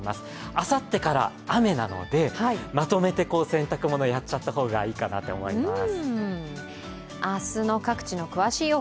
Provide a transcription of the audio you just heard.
あさってから雨なので、まとめて洗濯物、やっちゃった方がいいかなと思います。